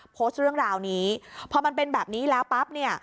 โพสต์เรื่องราวนี้พอมันเป็นแบบนี้แล้วปั๊บเนี่ย